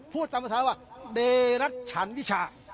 พูดตามภาษาว่าเดรัชฉันวิชะ